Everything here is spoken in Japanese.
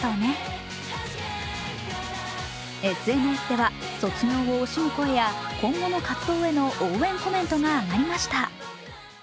ＳＮＳでは、卒業を惜しむ声や今後の活動への応援コメントが上がりました。